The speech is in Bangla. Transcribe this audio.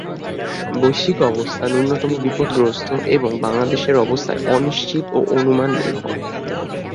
বৈশ্বিক অবস্থা ন্যূনতম বিপদগ্রস্ত এবং বাংলাদেশের অবস্থায় অনিশ্চিত ও অনুমান নির্ভর।